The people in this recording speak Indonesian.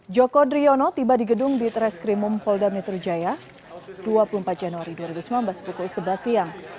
joko driono tiba di gedung di treskrimum polda metro jaya dua puluh empat januari dua ribu sembilan belas pukul sebelas siang